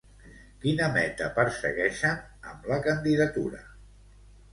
Quina meta persegueixen amb la candidatura?